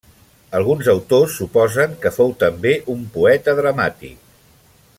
Alguns autors suposen que fou també un poeta dramàtic.